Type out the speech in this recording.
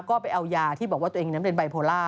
ก็ไปเอายาที่บอกว่าตัวเองนั้นเป็นไบโพล่า